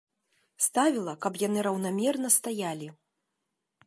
Ставіла, каб яны раўнамерна стаялі.